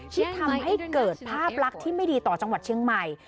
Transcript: ที่ทำให้เกิดภาพลักษณ์ที่ไม่ดีต่อจังหวัดเชียงใหม่